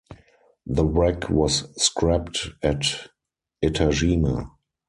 The wreck was scrapped at Etajima.